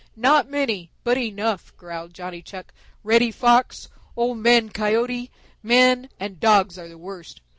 "Not many, but enough," growled Johnny Chuck. "Reddy Fox, Old Man Coyote, men and Dogs are the worst.